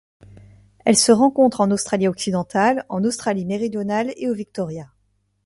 Elles se rencontrent en Australie-Occidentale, en Australie-Méridionale et au Victoria.